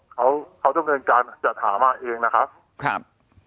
เขาจำเนินการจัดหามาเองนะครับ